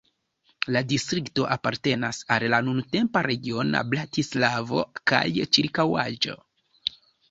La distrikto apartenas al nuntempa regiono Bratislavo kaj ĉirkaŭaĵo.